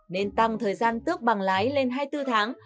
nên tăng thời gian tước bằng lái lên hai mươi bốn tháng